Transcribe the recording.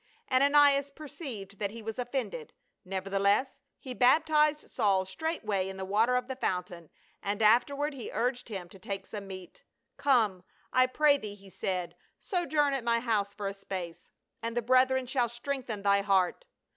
Ananias perceived that he was offended, neverthe less he baptized Saul straightway in the water of the fountain, and afterward he urged him to take some meat. " Come, I pray thee," he said, " sojourn at my house for a space, and the brethren shall strengthen thy heart."